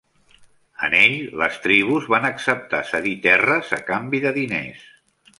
En ell, les tribus van acceptar cedir terres a canvi de diners.